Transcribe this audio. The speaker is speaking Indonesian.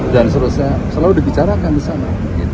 dan seluruh saya selalu dibicarakan di sana